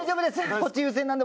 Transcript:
こっち優先なんで。